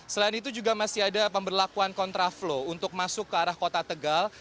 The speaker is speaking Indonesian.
selain itu juga masih ada pemberlakuan kontraflow untuk masuk ke arah kota tegal